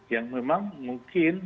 yang memang mungkin